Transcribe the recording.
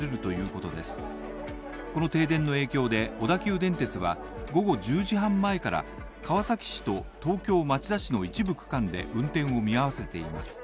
この停電の影響で、小田急電鉄は午後１０時半前から川崎市と東京・町田市の一部区間で運転を見合わせています。